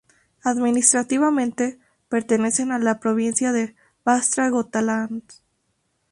Administrativamente pertenecen a la provincia de Västra Götaland.